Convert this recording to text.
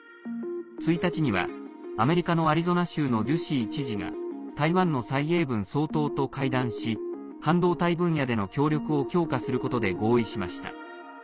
１日には、アメリカのアリゾナ州のデュシー知事が台湾の蔡英文総統と会談し半導体分野での協力を強化することで合意しました。